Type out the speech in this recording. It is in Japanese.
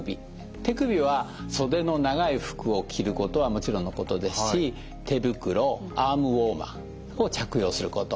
手首は袖の長い服を着ることはもちろんのことですし手袋アームウオーマーを着用すること。